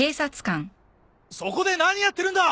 そこで何やってるんだ！